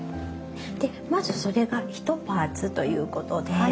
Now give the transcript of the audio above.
でまずそれが１パーツということで。